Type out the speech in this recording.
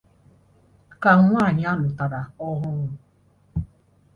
ka nwaanyị a lụtara ọhụrụ.